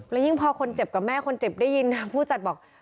แล้วยิ่งพอคนเจ็บกับแม่คนเจ็บได้ยินทางผู้จัดบอก